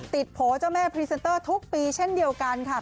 โผล่เจ้าแม่พรีเซนเตอร์ทุกปีเช่นเดียวกันค่ะ